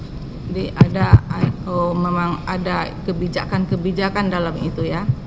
jadi ada oh memang ada kebijakan kebijakan dalam itu ya